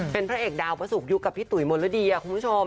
เป็นพระเอกดาวประสุกยุคกับพี่ตุ๋ยมนรดีคุณผู้ชม